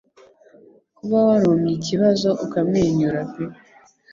Kuba warumye ikibazo ukamwenyura pe